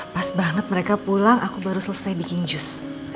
pas banget mereka pulang aku baru selesai bikin jus